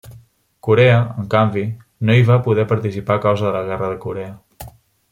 Corea, en canvi, no hi va poder participar a causa de la Guerra de Corea.